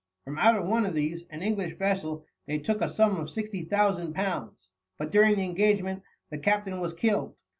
From out of one of these, an English vessel, they took a sum of £60,000, but during the engagement the captain was killed.